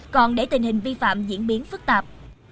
còn để tình hình vi phạm diễn biến phức tạp